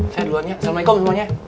saya dulunya assalamualaikum semuanya